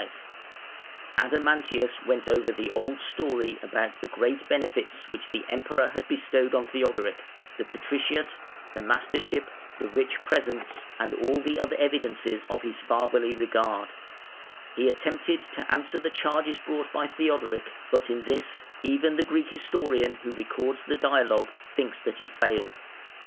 Probably the Gothicum was a fund set apart for subsidising the Goths] Adamantius went over the old story about the great benefits which the Emperor had bestowed on Theodoric, the Patriciate, the Mastership, the rich presents, and all the other evidences of his fatherly regard. He attempted to answer the charges brought by Theodoric, but in this even the Greek historian who records the dialogue thinks that he failed.